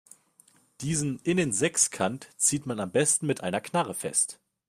Diesen Innensechskant zieht man am besten mit einer Knarre fest.